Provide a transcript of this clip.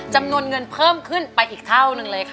จำนวนเงินเพิ่มขึ้นไปอีกเท่านึงเลยค่ะ